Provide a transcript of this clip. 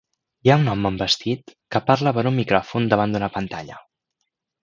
Hi ha un home amb vestit que parla per un micròfon davant d'una pantalla